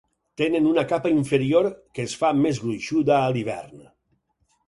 Tenen una capa inferior que es fa més gruixuda a l'hivern.